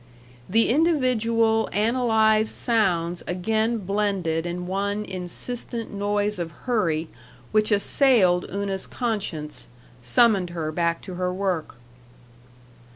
The individual, analyzed sounds again blended in one insistent noise of hurry which assailed Una's conscience, summoned her back to her work.